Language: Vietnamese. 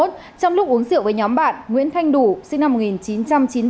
trong lúc uống rượu với nhóm bạn nguyễn thanh đủ sinh năm một nghìn chín trăm chín mươi